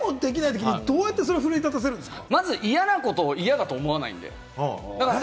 でも、できないときはどうやって奮い立たせるんですか？